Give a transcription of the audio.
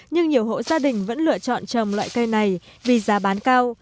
nhưng nhiều hộ gia đình vẫn lựa chọn trồng loại cây này vì giá bán cao